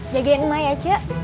jagain rumah ya cik